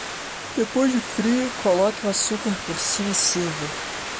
Depois de frio, coloque o açúcar por cima e sirva.